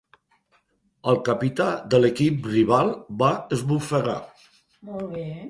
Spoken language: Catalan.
El capità de l'equip rival va esbufegar.